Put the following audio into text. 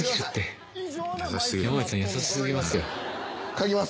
描きます。